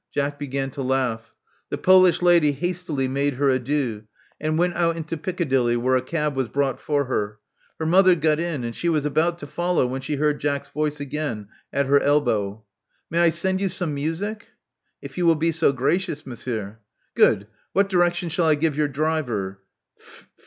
Jack began to laugh. The Polish lady hastily made her adieux, and went out into Piccadilly, where a cab was brought for her. Her mother got in; and she was about to follow when she heard Jack's voice again, at her elbow. May I send you some music?" If you will be so gracious. Monsieur." "Good. What direction shall I give your driver?